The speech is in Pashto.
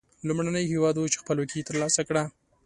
لومړنی هېواد و چې خپلواکي تر لاسه کړه.